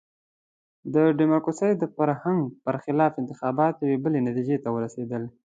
د ډیموکراسۍ د فرهنګ برخلاف انتخابات یوې بلې نتیجې ته ورسېدل.